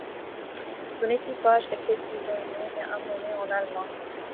Son équipage est fait prisonnier et emmené en Allemagne.